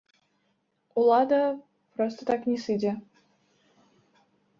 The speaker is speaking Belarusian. Улада проста так не сыдзе.